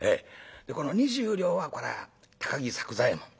この２０両はこれは高木作久左右衛門。